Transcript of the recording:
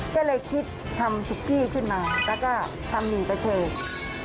ก็เลยคิดทำซุกกี้ขึ้นมาแล้วก็ทำหมี่กระเฉก